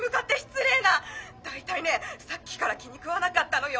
大体ねさっきから気に食わなかったのよ。